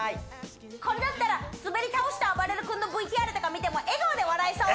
これだったらスベり倒したあばれる君のＶＴＲとか見ても笑顔で笑えそう！